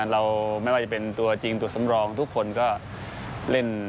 เราไม่ว่าจะเป็นตัวจริงตัวสำรองทุกคนก็เล่น